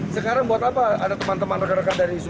sekarang buat apa ada teman teman rekan rekan dari isu